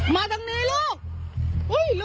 ถึงช่วยมากเถอะคุณผู้ชม